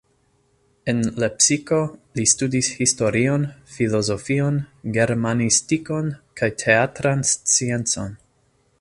En Lepsiko li studis historion, filozofion, germanistikon kaj teatran sciencon.